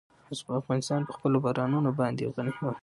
افغانستان په خپلو بارانونو باندې یو غني هېواد دی.